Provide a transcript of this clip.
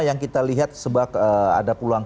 yang kita lihat sebab ada peluang